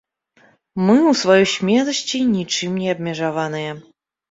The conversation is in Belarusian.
Мы ў сваёй смеласці нічым не абмежаваныя.